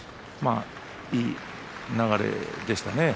いい流れでしたね。